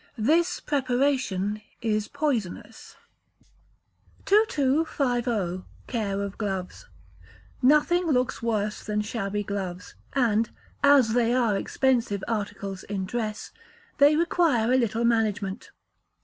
This preparation is poisonous. 2250. Care of Gloves. Nothing looks worse than shabby gloves; and, as they are expensive articles in dress, they require a little management.